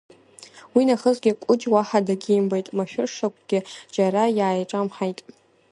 Уинахысгьы Қәыџь уаҳа дагьимбеит, машәыршақәгьы џьара иааиҿамҳаит.